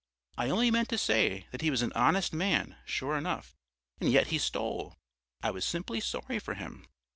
I only meant to say that he was an honest man, sure enough, and yet he stole. I was simply sorry for him."